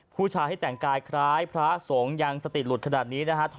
ผู้ชายที่แต่งกายคล้ายพระสงฆ์ยังสติหลุดขนาดนี้นะฮะ